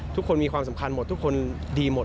ทุกคนมีความสำคัญหมดทุกคนดีหมด